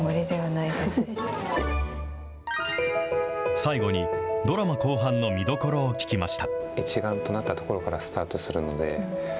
最後に、ドラマ後半の見どころを聞きました。